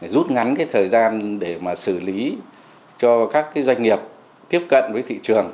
rút ngắn cái thời gian để mà xử lý cho các doanh nghiệp tiếp cận với thị trường